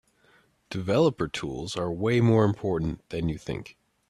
Developer Tools are way more important than you think.